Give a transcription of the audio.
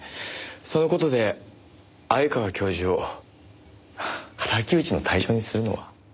その事で鮎川教授を敵討ちの対象にするのは。